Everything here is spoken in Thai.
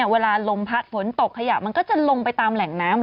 ลมพัดฝนตกขยะมันก็จะลงไปตามแหล่งน้ำ